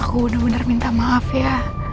aku udah bener minta maaf ya